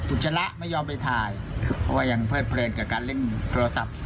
จระไม่ยอมไปถ่ายเพราะว่ายังเพลิดเพลินกับการเล่นโทรศัพท์